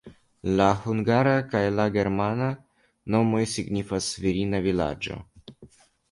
La hungara kaj la germana nomoj signifas "virina vilaĝo".